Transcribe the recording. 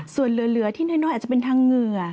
ส่วนเหลือที่น้อยอาจจะเป็นทางเหงื่อ